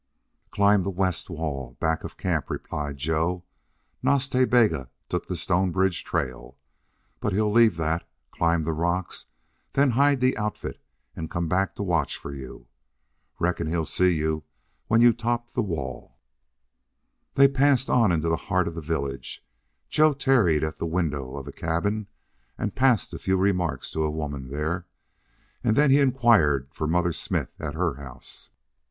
"Climb the west wall, back of camp," replied Joe. "Nas Ta Bega took the Stonebridge trail. But he'll leave that, climb the rocks, then hide the outfit and come back to watch for you. Reckon he'll see you when you top the wall." They passed on into the heart of the village. Joe tarried at the window of a cabin, and passed a few remarks to a woman there, and then he inquired for Mother Smith at her house.